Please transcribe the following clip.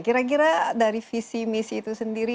kira kira dari visi misi itu sendiri